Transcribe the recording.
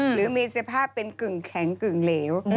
หรือมีสภาพเป็นกึ่งแข็งกึ่งเหลว